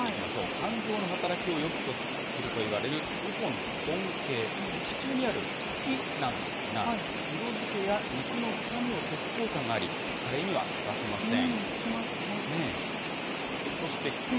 肝臓の働きをよくするといわれるウコンの根茎、地中にある茎なんですが、色づけや肉の臭みを消す効果があり、カレーには欠かせません。